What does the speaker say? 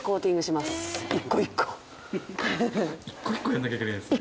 一個一個やらなきゃいけないんですね。